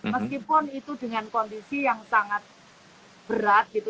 meskipun itu dengan kondisi yang sangat berat gitu